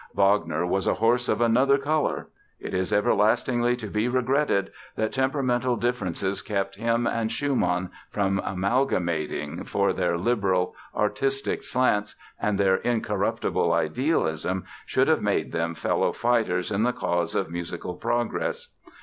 Wagner was a horse of another color! It is everlastingly to be regretted that temperamental differences kept him and Schumann from amalgamating, for their liberal artistic slants and their incorruptible idealism should have made them fellow fighters in the cause of musical progress.